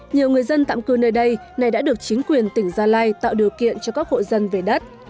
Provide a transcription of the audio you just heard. nhiều người dân tạm cư nơi đây này đã được chính quyền tỉnh gia lai tạo điều kiện cho các hộ dân về đất